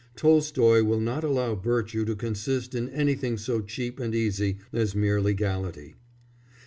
Tolstoy will not allow virtue to consist in anything so cheap and easy as mere legality.